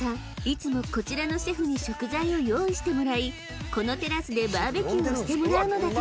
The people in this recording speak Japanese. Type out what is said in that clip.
いつもこちらのシェフに食材を用意してもらいこのテラスでバーベキューをしてもらうのだという］